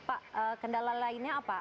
pak kendala lainnya apa